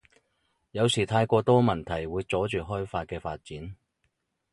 有時太過多問題會阻住開法嘅發展